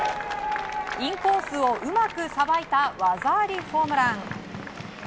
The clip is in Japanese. インコースをうまくさばいた技ありホームラン！